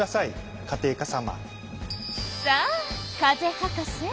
さあ風博士